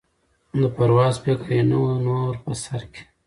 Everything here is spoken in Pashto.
د پرواز فکر یې نه وو نور په سر کي